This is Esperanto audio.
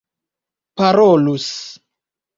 parolus